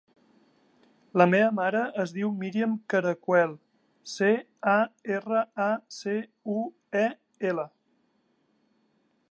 La meva mare es diu Míriam Caracuel: ce, a, erra, a, ce, u, e, ela.